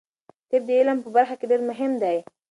طب د علم په برخه کې ډیر مهم دی.